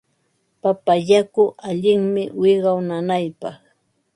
Papa yaku allinmi wiqaw nanaypaq.